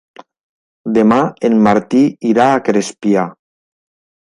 Demà en Martí irà a Crespià.